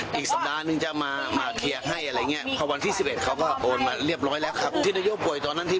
ไปฟังเสียกันค่ะ